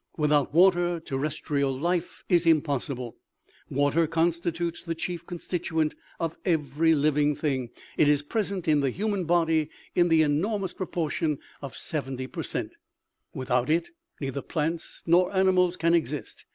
Without water terrestrial life is impossible ; water constitutes the chief constituent of every living thing. It is present in the human body in OMEGA. 97 the enormous proportion of seventy per cent. Without it, neither plants nor animals can exist.